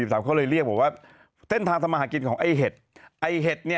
เขาเลยเรียกบอกว่าเส้นทางทำมาหากินของไอ้เห็ด